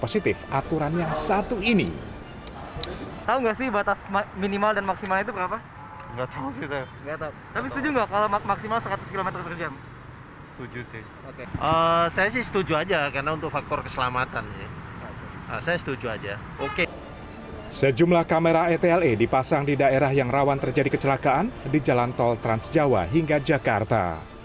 sejumlah kamera etle dipasang di daerah yang rawan terjadi kecelakaan di jalan tol transjawa hingga jakarta